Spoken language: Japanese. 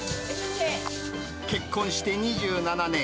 結婚して２７年。